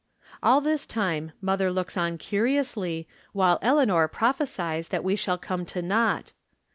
All this time mother looks on curiously, while Eleanor prophesies that we shall come to naught.